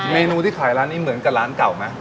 เมนูที่ขายร้านนี้เหมือนกับร้านเก่าไหม